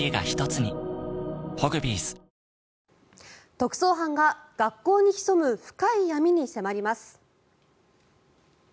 特捜班が学校に潜む深い闇に迫ります。